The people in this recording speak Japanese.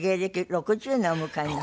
６０年をお迎えになる。